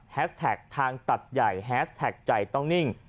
แท็กทางตัดใหญ่แฮสแท็กใจต้องนิ่ง